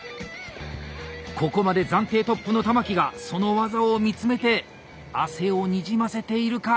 ここまで暫定トップの玉木がその技を見つめて汗をにじませているか！